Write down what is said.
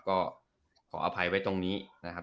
ก็ขออภัยไว้ตรงนี้นะครับ